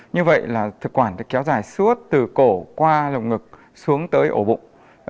như vậy là thực quản kéo dài suốt từ cổ qua lồng ngực xuống tới ổ bụng